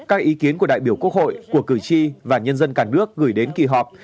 các ý kiến của đại biểu quốc hội của cử tri và nhân dân cả nước gửi đến kỳ họp